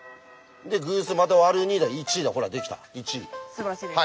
すばらしいです。